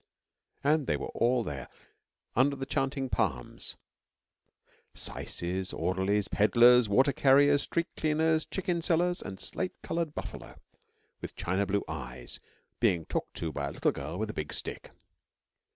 And they were all there under the chanting palms saices, orderlies, pedlars, water carriers, street cleaners, chicken sellers and the slate coloured buffalo with the china blue eyes being talked to by a little girl with the big stick.